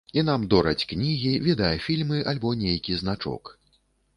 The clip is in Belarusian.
І нам дораць кнігі, відэафільмы альбо нейкі значок.